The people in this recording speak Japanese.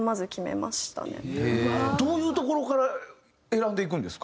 どういうところから選んでいくんですか？